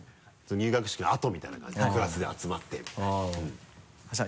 入学式の後みたいな感じでクラスで集まってみたいな。